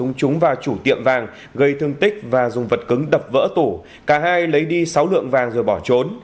quang đã nổ súng vào chủ tiệm vàng gây thương tích và dùng vật cứng đập vỡ tủ cả hai lấy đi sáu lượng vàng rồi bỏ trốn